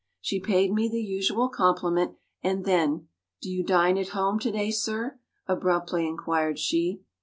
She paid me the usual compliment, and then "Do you dine at home to day, sir?" abruptly inquired she.